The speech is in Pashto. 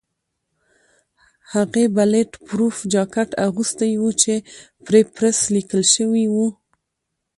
هغې بلېټ پروف جاکټ اغوستی و چې پرې پریس لیکل شوي وو.